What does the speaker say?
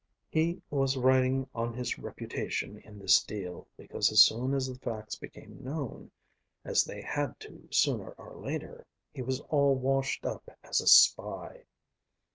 He was riding on his reputation in this deal, because as soon as the facts became known, as they had to sooner or later, he was all washed up as a spy."